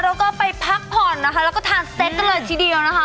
แล้วก็ไปพักผ่อนนะค่ะเราก็ทานสเต็กทีเดียวนะคะ